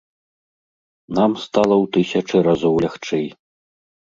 Нам стала ў тысячы разоў лягчэй.